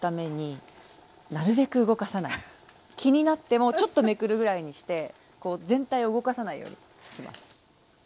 気になってもちょっとめくるぐらいにして全体を動かさないようにします。